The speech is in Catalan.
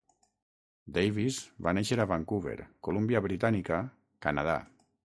Davis va néixer a Vancouver, Columbia Britànica, Canadà.